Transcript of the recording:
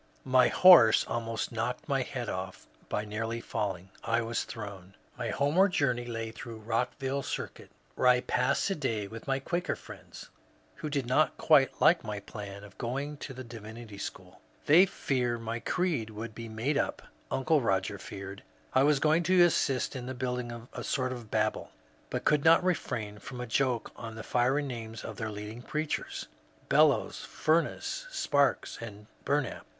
^* My horse almost knocked my head off by nearly falling. I was thrown." My homeward journey lay through Rockville Circuit, where I passed a day with my Quaker friends, who did not quite like my plan of going to the Divinity School. " They fear my creed will be made up." Uncle Roger feared I was going to assist in building a sort of Babel, but could not refrain &om a joke on the fiery names of their leading preachers, — Bel lows, Fumess, Sparks, and Bumap.